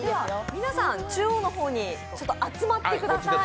皆さん中央に集まってください。